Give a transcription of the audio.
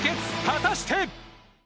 果たして。